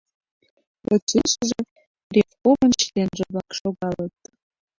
Почешыже Ревкомын членже-влак шогалыт.